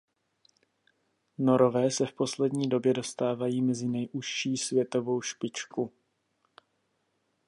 Norové se v poslední době dostávají mezi nejužší světovou špičku.